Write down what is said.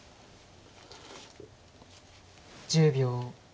１０秒。